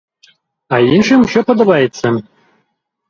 А іншым усё падабаецца.